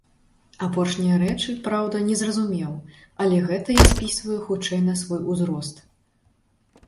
Апошнія рэчы, праўда, не зразумеў, але гэта я спісваю хутчэй на свой узрост.